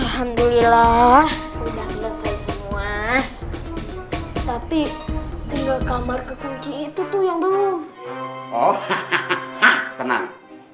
hamdulillah udah selesai semua tapi tinggal kamar kekunci itu tuh yang belum oh hahaha tenang